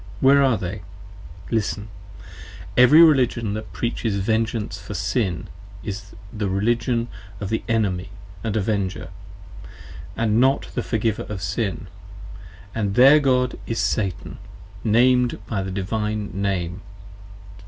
Where are they? Listen! Every Religion that Preaches Vengeance for Sin is the Religion of the Enemy & Avenger: and not of the Forgiver of Sin: and their God is Satan, Named by the Divine Name.